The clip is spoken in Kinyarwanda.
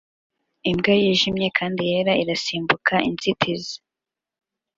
Imbwa yijimye kandi yera irasimbuka inzitizi